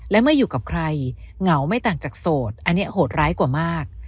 และเมื่ออยู่กับใครเหงาไม่ต่างจากโสดอันนี้โหดร้ายกว่ามาก